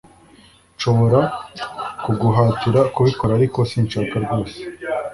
Nshobora kuguhatira kubikora ariko sinshaka rwose